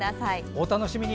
お楽しみに。